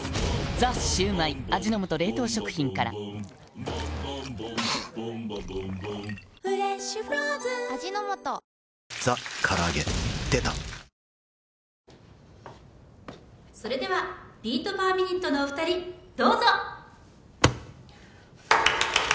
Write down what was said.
「ザ★シュウマイ」味の素冷凍食品から「ザ★から揚げ」出たそれではビート・パー・ミニットのお二人どうぞ！